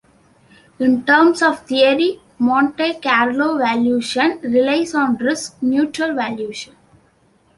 In terms of theory, Monte Carlo valuation relies on risk neutral valuation.